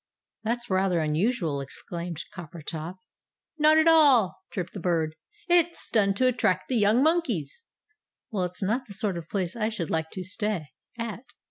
"That's rather unusual!" exclaimed Coppertop. "Not at all!" chirped the Bird. "It's done to attract the young monkeys." "Well, it's not the sort of place I should like to stay at!"